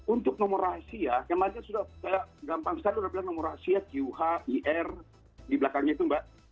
untuk nomor rahasia yang mana sudah gampang sekali sudah bilang nomor rahasia qh ir dibelakangnya itu mbak